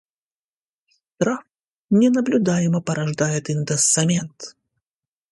Штраф ненаблюдаемо порождает индоссамент